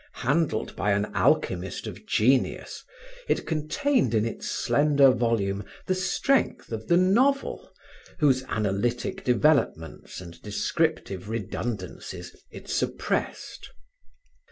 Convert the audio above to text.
Handled by an alchemist of genius, it contained in its slender volume the strength of the novel whose analytic developments and descriptive redundancies it suppressed.